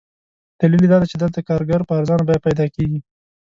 دلیل یې دادی چې دلته کارګر په ارزانه بیه پیدا کېږي.